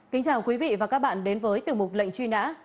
kính chào quý vị và các bạn đến với tiểu mục lệnh truy nã